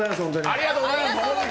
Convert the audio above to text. ありがとうございます。